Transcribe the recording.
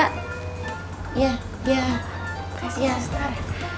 kasih ya ntar